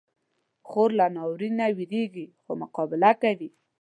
خور له ناورین نه وېریږي، خو مقابله کوي.